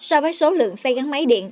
so với số lượng xe gắn máy điện